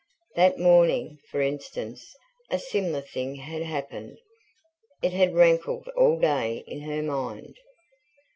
That morning, for instance, a similar thing had happened it had rankled all day in her mind.